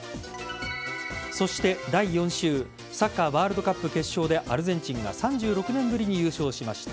そして第４週サッカーワールドカップ決勝でアルゼンチンが３６年ぶりに優勝しました。